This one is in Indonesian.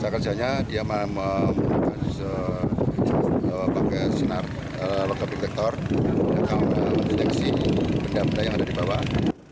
cara kerjanya dia memakai sinar lokal detektor yang akan mendeteksi benda benda yang ada di bawah